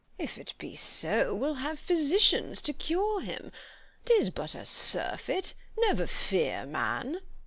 If it be so, we'll have physicians to cure him. 'Tis but a surfeit; never fear, man.